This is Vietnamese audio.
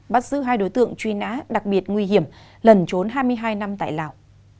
bắt giữ hai đối tượng truy nã đặc biệt nguy hiểm lần trốn hai mươi hai năm tại lào